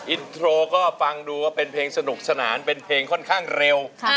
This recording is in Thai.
อินโทรก็ฟังดูว่าเป็นเพลงสนุกสนานเป็นเพลงค่อนข้างเร็ว